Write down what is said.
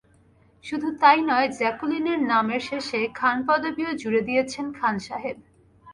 শুধু তাই নয়, জ্যাকুলিনের নামের শেষে খান পদবিও জুরে দিয়েছিলেন খান সাহেব।